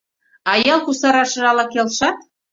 — А ял кусарашыже ала келшат?